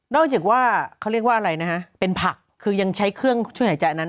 จากว่าเขาเรียกว่าอะไรนะฮะเป็นผักคือยังใช้เครื่องช่วยหายใจอันนั้น